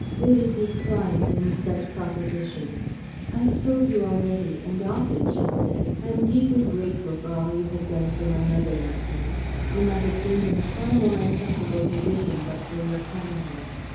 Vivie declined any such propositions. "I have told you already, and often," she said, "I am deeply grateful for all you have done for my mother and me. We might have been in a far more uncomfortable position but for your kindness.